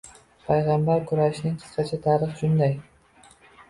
Payg‘ambar kurashining qisqacha tarixi shunday